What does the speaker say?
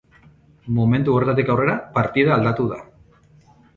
Momentu horretatik aurrera partida aldatu da.